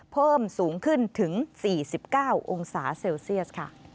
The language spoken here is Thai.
เพิ่มสูงขึ้นถึง๔๙องศาเซลเซียสค่ะ